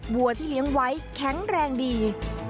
วัวที่เลี้ยงไว้แข็งแรงดี